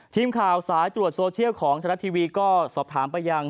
ทีมข่าวสายตรวจโซเชียลของไทยรัฐทีวีก็สอบถามไปยัง